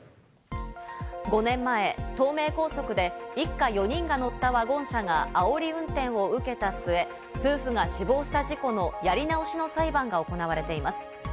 ５年前、東名高速で一家４人が乗ったワゴン車があおり運転を受けた末、夫婦が死亡した事故のやり直しの裁判が行われています。